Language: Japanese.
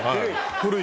古い。